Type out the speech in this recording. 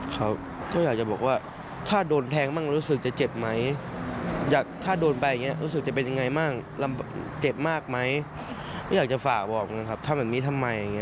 เขาก็อยากจะบอกว่าถ้าโดนแทงบ้างรู้สึกจะเจ็บไหมอยากถ้าโดนไปอย่างนี้รู้สึกจะเป็นยังไงบ้างเจ็บมากไหมไม่อยากจะฝากบอกนะครับทำแบบนี้ทำไม